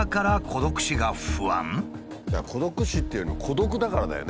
孤独死っていうよりも孤独だからだよね。